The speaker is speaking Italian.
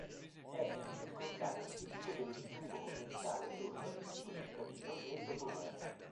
È un circondario tipico dello sviluppo commerciale e urbanistico cittadino nel dopoguerra.